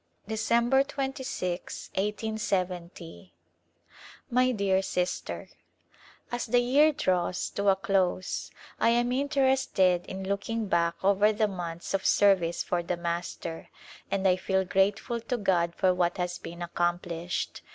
December 26^ 18 yo. My dear Sister : As the year draws to a close I am interested in looking back over the months of service for the Master, and I feel grateful to God for what has been accom plished.